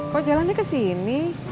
kok jalannya kesini